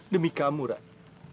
demi kamu rah